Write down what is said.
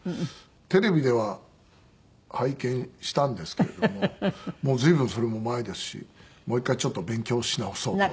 テレビでは拝見したんですけれどももう随分それも前ですしもう一回ちょっと勉強し直そうと。